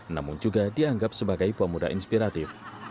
namun juga dianggap sebagai pemuda inspiratif